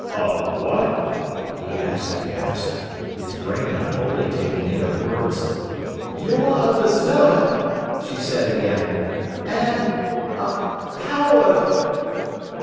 "A what!" he asked aghast, his brain not wholly taking in her words. "You're a deserter!" she said again—"and—a coward!"